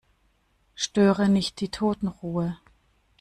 Störe nicht die Totenruhe.